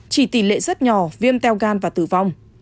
chỉ tỷ lệ rất nhỏ viêm teo gan và tử vong